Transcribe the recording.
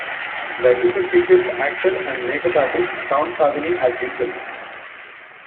The episode features actor and makeup artist Tom Savini as himself.